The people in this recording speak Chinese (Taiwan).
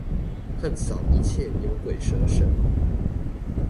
橫掃一切牛鬼蛇神！